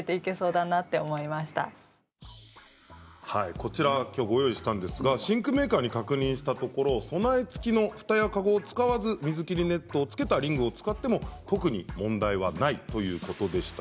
こちらご用意したんですがシンクメーカーに確認したところ備え付きのふたやかごを使わずに水切りネットをつけたリングを使っても特に問題はないということでした。